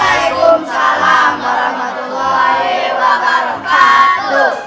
waalaikumsalam warahmatullahi wabarakatuh